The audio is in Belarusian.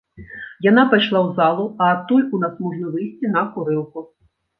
Яна пайшла ў залу, а адтуль у нас можна выйсці на курылку.